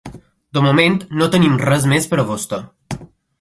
De moment, no tenim res més per a vostè.